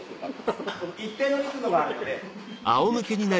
一定のリズムがあるので。